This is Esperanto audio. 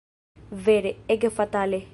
Vere, ege fatale!